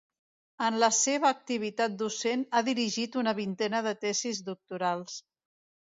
En la seva activitat docent ha dirigit una vintena de tesis doctorals.